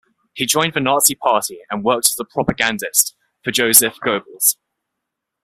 He joined the Nazi Party and worked as a propagandist for Joseph Goebbels.